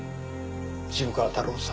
渋川太郎さん